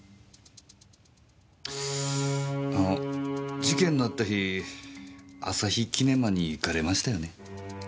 あの事件のあった日旭キネマに行かれましたよね？